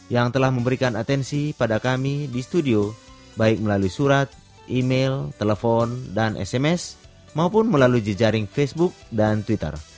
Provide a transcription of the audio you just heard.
yang telah memberikan atensi pada kami di studio baik melalui surat email telepon dan sms maupun melalui jejaring facebook dan twitter